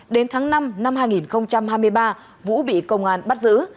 đến tháng năm năm hai nghìn hai mươi ba vũ bị công an bắt giữ